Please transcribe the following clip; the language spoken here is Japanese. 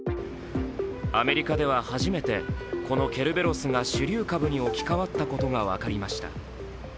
アメリカでは初めて、このケルベロスが主流株に置き換わったことが分かりました。